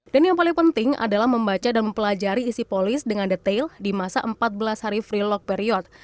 dan yang paling penting adalah membaca dan mempelajari isi polis dengan detail di masa empat belas hari free lock period